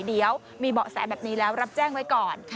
เดี๋ยวมีเบาะแสแบบนี้แล้วรับแจ้งไว้ก่อน